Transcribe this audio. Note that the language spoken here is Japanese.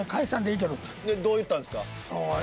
どう言ったんですか？